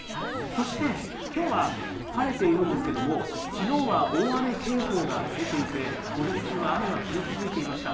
そして、きょうは晴れているんですけれども、きのうは大雨警報が出ていて、午前中は雨が降り続いていました。